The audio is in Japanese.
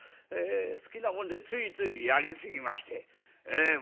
え好きなもんでついついやり過ぎましてえ